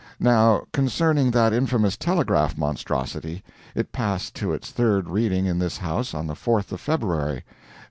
Now, concerning that infamous telegraph monstrosity, it passed to its third reading in this House on the 4th of February.